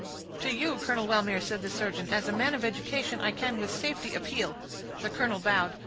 "To you, Colonel Wellmere," said the surgeon, "as a man of education, I can with safety appeal." The colonel bowed.